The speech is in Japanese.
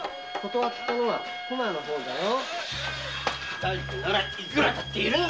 大工ならいくらだっているんだ。